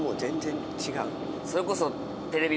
それこそ。